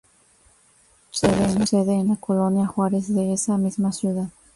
Tiene su sede en la Colonia Juárez de esa misma ciudad.